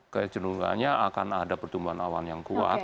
kecenderungannya akan ada pertumbuhan awan yang kuat